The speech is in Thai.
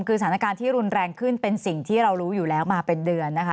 คือสถานการณ์ที่รุนแรงขึ้นเป็นสิ่งที่เรารู้อยู่แล้วมาเป็นเดือนนะคะ